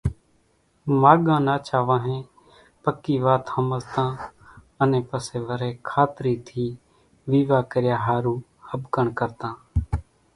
ماڳان ناڇا وانهين پڪِي وات ۿمزتان، انين پسيَ وريَ کاترِي ٿِي ويوا ڪريا ۿارُو ۿٻڪڻ ڪرتان۔